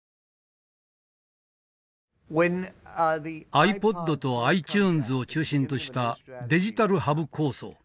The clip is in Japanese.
ｉＰｏｄとｉＴｕｎｅｓを中心としたデジタルハブ構想。